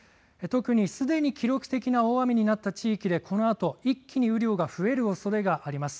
特にすでに記録的な大雨になった地域でこのあと、一気に雨量が増えるおそれがあります。